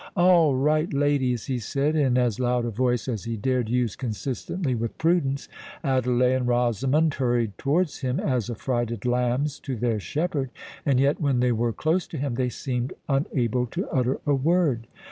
"All right, ladies," he said, in as loud a voice as he dared use consistently with prudence. Adelais and Rosamond hurried towards him, as affrighted lambs to their shepherd; and yet, when they were close to him, they seemed unable to utter a word.